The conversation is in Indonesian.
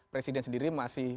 presiden sendiri masih